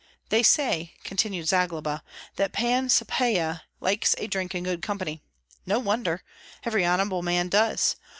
"They say," continued Zagloba, "that Pan Sapyeha likes a drink in good company. No wonder! every honorable man does.